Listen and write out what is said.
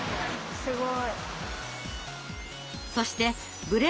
すごい。